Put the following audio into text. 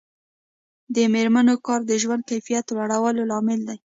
د میرمنو کار د ژوند کیفیت لوړولو لامل دی.